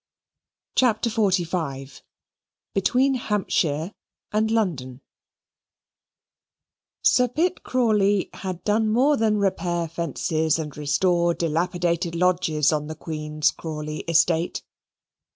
CHAPTER XLV Between Hampshire and London Sir Pitt Crawley had done more than repair fences and restore dilapidated lodges on the Queen's Crawley estate.